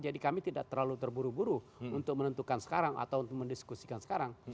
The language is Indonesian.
jadi kami tidak terlalu terburu buru untuk menentukan sekarang atau untuk mendiskusikan sekarang